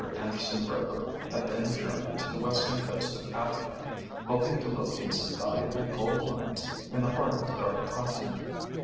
Anderson Rover had then journeyed to the western coast of Africa, hoping to locate some valuable gold mines in the heart of the Dark Continent.